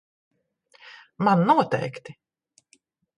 Man noteikti.